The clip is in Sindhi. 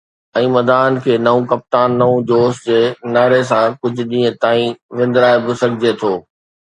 ۽ مداحن کي ”نئون ڪپتان، نئون جوش“ جي نعري سان ڪجهه ڏينهن تائين وندرائي به سگهجي ٿو.